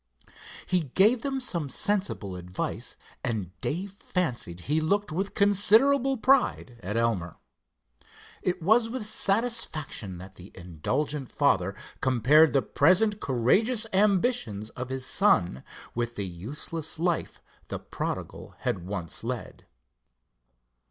He gave them some sensible advice, and Dave fancied he looked with considerable pride at Elmer. It was with satisfaction that the indulgent father compared the present courageous ambitions of his son with the useless life the prodigal had once led.